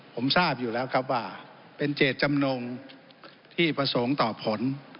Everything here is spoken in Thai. ผมทราบอยู่แล้วครับว่าเป็นเจตจำนงที่ประสงค์ต่อผล